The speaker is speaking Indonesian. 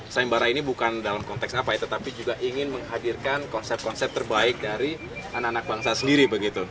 saya embara ini bukan dalam konteks apa tetapi juga ingin menghadirkan konsep konsep terbaik dari anak anak bangsa sendiri